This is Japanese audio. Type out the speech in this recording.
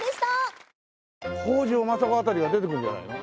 北条政子辺りが出てくるんじゃないの？